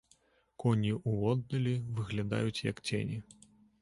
Коні ўводдалі выглядаюць, як цені.